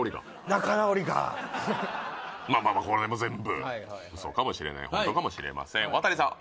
仲直りがまあまあまあこの辺も全部ウソかもしれないホントかもしれませんワタリさん